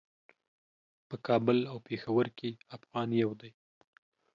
په کابل او پیښور کې افغان یو دی.